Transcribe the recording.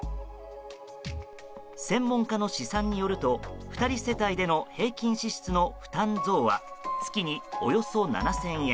専門家の試算によると２人世帯での平均支出の負担増は月におよそ７０００円。